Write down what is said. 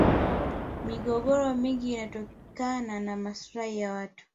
migogoro mingi inatokana na maslahi ya watu